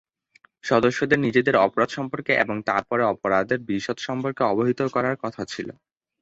সদস্যদের নিজেদের অপরাধ সম্পর্কে এবং তারপরে অপরাধের বিশদ সম্পর্কে অবহিত করার কথা ছিল।